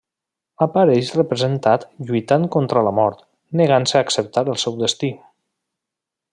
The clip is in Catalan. Apareix representat lluitant contra la mort, negant-se a acceptar el seu destí.